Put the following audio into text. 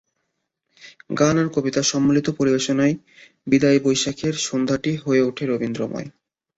গান আর কবিতার সম্মিলিত পরিবেশনায় বিদায়ী বৈশাখের সন্ধ্যাটি হয়ে ওঠে রবীন্দ্রময়।